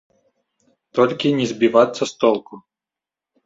Толькі не збівацца з толку.